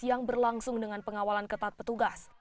yang berlangsung dengan pengawalan ketat petugas